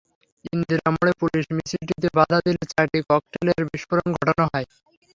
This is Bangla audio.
ইন্দিরা মোড়ে পুলিশ মিছিলটিতে বাধা দিলে চারটি ককটেলের বিস্ফোরণ ঘটানো হয়।